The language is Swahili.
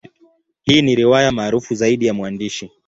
Hii ni riwaya maarufu zaidi ya mwandishi.